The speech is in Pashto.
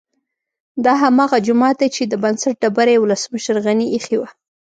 دا هماغه جومات دی چې د بنسټ ډبره یې ولسمشر غني ايښې وه